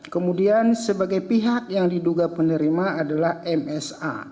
kemudian sebagai pihak yang diduga penerima adalah msa